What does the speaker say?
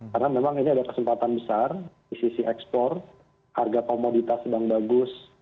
karena memang ini ada kesempatan besar di sisi ekspor harga komoditas memang bagus